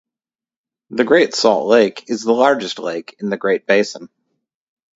The Great Salt Lake is the largest lake in the Great Basin.